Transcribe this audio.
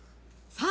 ◆さあ